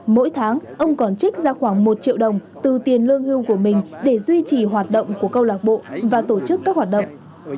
mỗi tháng ông còn trích ra khoảng một triệu đồng từ tiền lương hưu của mình để duy trì hoạt động của câu lạc bộ và tổ chức các hoạt động